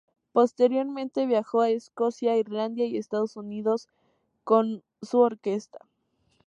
Posteriormente viajó a Escocia, Irlanda y Estados Unidos con su orquesta.